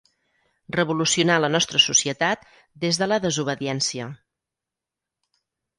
Revolucionar la nostra societat des de la desobediència